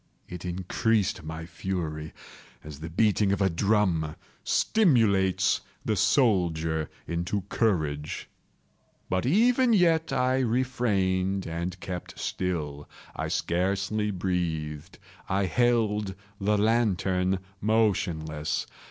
It increased my fury, as the beating of a drum stimulates the soldier into courage. But even yet I refrained and kept still. I scarcely breathed. I held the lantern motionless.